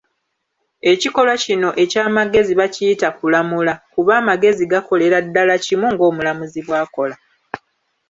Ekikolwa kino eky'amagezi bakiyita 'kulamula' kuba amagezi gakolera ddala kimu ng'omulamuzi bw'akola.